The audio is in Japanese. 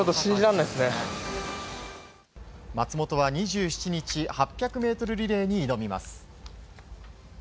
松元は２７日８００ｍリレーに挑みます。